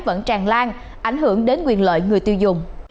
vẫn tràn lan ảnh hưởng đến quyền lợi người tiêu dùng